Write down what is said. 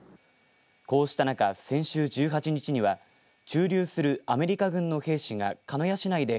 こうした中、先週１８日には駐留するアメリカ軍の兵士が鹿屋市内で